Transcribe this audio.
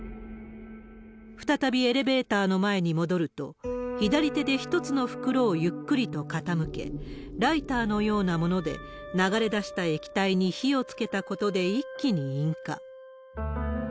再びエレベーターの前に戻ると、左手で一つの袋をゆっくりと傾け、ライターのようなもので流れ出した液体に火をつけたことで一気に引火。